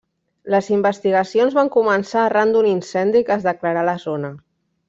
Les investigacions van començar arran d'un incendi que es declarà a la zona.